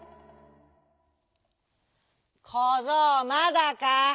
「こぞうまだか？」。